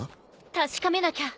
確かめなきゃ。